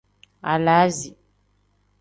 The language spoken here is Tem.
Alaazi.